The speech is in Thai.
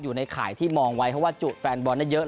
อยู่ในข่ายที่มองไว้เพราะว่าจุแฟนบอลได้เยอะ